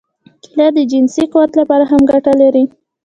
کېله د جنسي قوت لپاره هم ګټه لري.